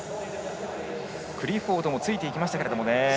クリフォードもついていきましたけれどもね。